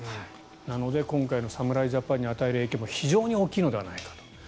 なので、今回の侍ジャパンに与える影響も非常に大きいのではないかと。